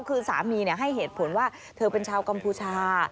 คือสามีให้เหตุผลว่าเธอเป็นชาวกัมพูชา